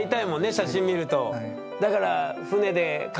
写真見ると。